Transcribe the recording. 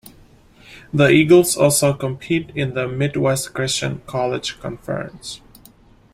The Eagles also compete in the Midwest Christian College Conference.